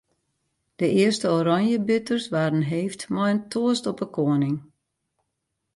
De earste oranjebitters waarden heefd mei in toast op 'e koaning.